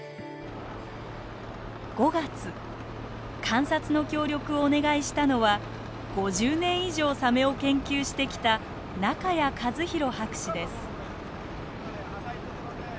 観察の協力をお願いしたのは５０年以上サメを研究してきた仲谷一宏博士です。